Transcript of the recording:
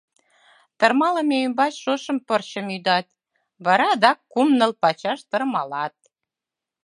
Тырмалыме ӱмбач шошым пырчым ӱдат, вара адак кум-ныл пачаш тырмалат.